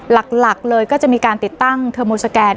หลักเลยก็จะมีการติดตั้งเทอร์โมสแกน